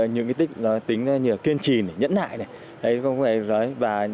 những kinh tích tính như kiên trì nhẫn hại